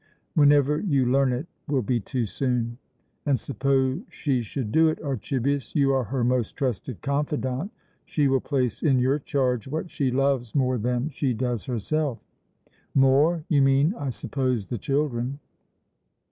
"Whenever you learn it, will be too soon." "And suppose she should do it, Archibius? You are her most trusted confidant. She will place in your charge what she loves more than she does herself." "More? You mean, I suppose, the children?"